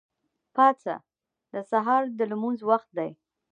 پاڅه! د سهار د لمونځ وخت دی.